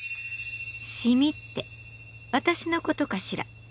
染みって私の事かしら？